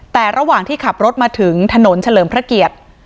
แต่ระหว่างที่ขับรถมาถึงถนนเฉลิมพระเกียรติ